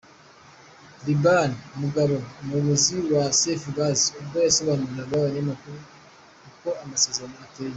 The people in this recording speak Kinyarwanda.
Liban Mugabo umuyobozi wa Safe Gas ubwo yasobanuriraga abanyamakuru uko amasezerano ateye.